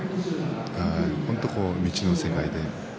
本当に未知の世界です。